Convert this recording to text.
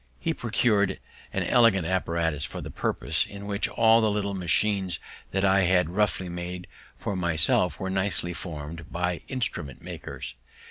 He procur'd an elegant apparatus for the purpose, in which all the little machines that I had roughly made for myself were nicely form'd by instrument makers.